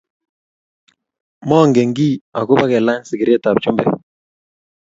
manget kiiy agoba kelany sigiryetab chumbek